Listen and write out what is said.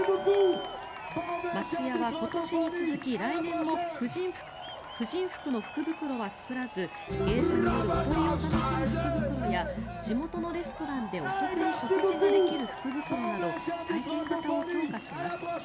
松屋は今年に続き来年も婦人服の福袋は作らず芸者による踊りを楽しむ福袋や地元のレストランでお得に食事ができる福袋など体験型を強化します。